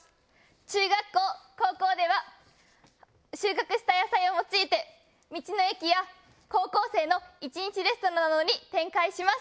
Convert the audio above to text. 中学校高校では収穫した野菜を用いて道の駅や高校生の１日レストランなどに展開します。